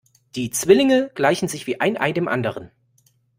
Die Zwillinge gleichen sich wie ein Ei dem anderen.